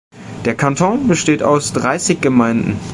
Der Kanton besteht aus dreißig Gemeinden.